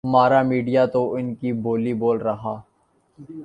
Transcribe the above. ہمارا میڈیا تو انکی بولی بول رہا ۔